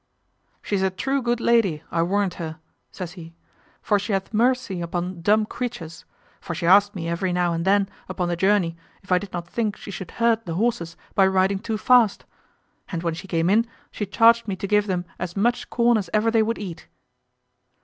"She's a true good lady, I warrant her," says he; "for she hath mercy upon dumb creatures; for she asked me every now and tan upon the journey, if I did not think she should hurt the horses by riding too fast? and when she came in she charged me to give them as much corn as ever they would eat."